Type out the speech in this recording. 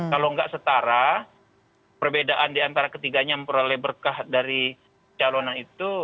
kalau nggak setara perbedaan di antara ketiganya yang peroleh berkah dari calonan itu